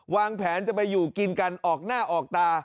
วางแผนจะไปอยู่กินกันออกหน้าออกตา